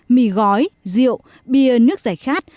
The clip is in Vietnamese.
mì gói rượu bia nước giải khát